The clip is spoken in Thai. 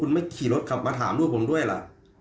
คุณไม่ขี่รถขับมาถามลูกผมด้วยล่ะ